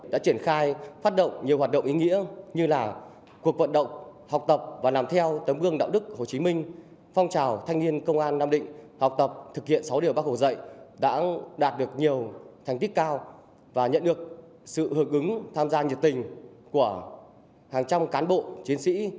đã đạt được nhiều thành tích cao và nhận được sự hợp ứng tham gia nhiệt tình của hàng trăm cán bộ chiến sĩ